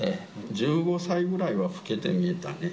１５歳ぐらいは老けて見えたね。